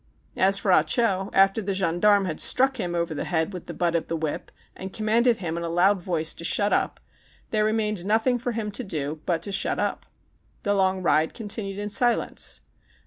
As for Ah Cho, after the gendarme had struck him over the head with the butt of the whip and commanded him in a loud voice to shut up, there remained nothing for him to do but to shut up. The long ride continued in silence.